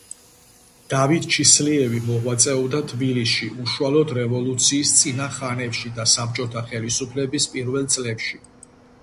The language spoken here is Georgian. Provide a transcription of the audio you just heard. დავით ჩისლიევი მოღვაწეობდა თბილისში უშუალოდ რევოლუციის წინა ხანებში და საბჭოთა ხელისუფლების პირველ წლებში.